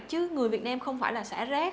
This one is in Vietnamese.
chứ người việt nam không phải là xã rác